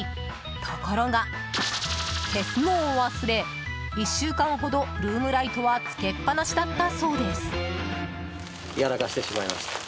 ところが、消すのを忘れ１週間ほどルームライトはつけっぱなしだったそうです。